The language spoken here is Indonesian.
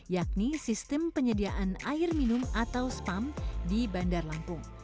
yakni sistem penyediaan air minum atau spam di bandar lampung